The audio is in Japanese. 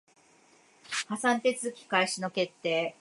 破産手続開始の決定